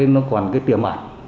nó còn cái tiềm ảnh